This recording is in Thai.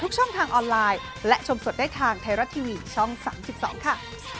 ทุกช่องทางออนไลน์และชมสดได้ทางไทรัตทีวีช่องสามสิบสองค่ะ